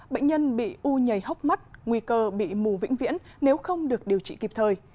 bệnh nhân bị u nhảy hốc mắt nguy cơ bị mù vĩnh viễn nếu không được điều trị kịp thời